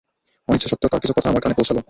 অনিচ্ছা সত্ত্বেও তার কিছু কথা আমার কানে পৌঁছল।